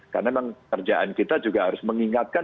karena memang kerjaan kita juga harus mengingatkan